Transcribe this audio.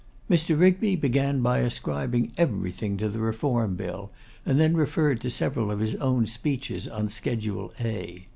Mr. Rigby began by ascribing everything to the Reform Bill, and then referred to several of his own speeches on Schedule A.